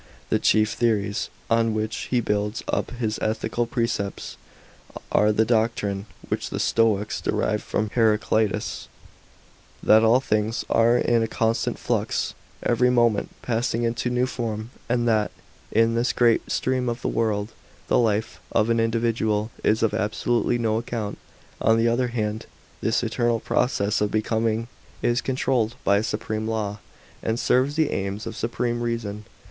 The chief theories on which he builds up his ethical precepts are the doctrine (which the Stoics derived from Heraclitus), that all things are in a constant flux, every moment passing into some new form, and that, in this great stream of the world, the life of an individual is of absolutely no account. On the other hand, this eternal process of Becoming is controlled by a supreme law, and serves the aims of supreme Reason.